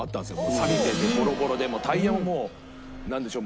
さびててボロボロでタイヤももうなんでしょう